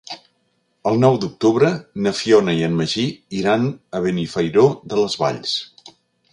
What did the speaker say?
El nou d'octubre na Fiona i en Magí iran a Benifairó de les Valls.